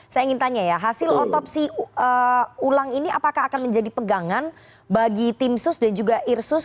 saya ingin tanya ya hasil otopsi ulang ini apakah akan menjadi pegangan bagi tim sus dan juga irsus